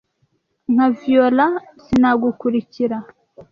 Nka Viola. Sinagukurikira. "